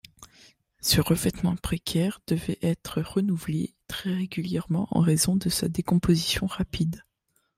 Ce revêtement précaire devait être renouvelé très régulièrement en raison de sa décomposition rapide.